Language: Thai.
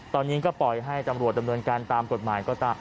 ตอนนี้ก็ปล่อยให้ตำรวจดำเนินการตามกฎหมายก็ตาม